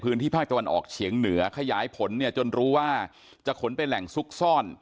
ภาคตะวันออกเฉียงเหนือขยายผลเนี่ยจนรู้ว่าจะขนไปแหล่งซุกซ่อน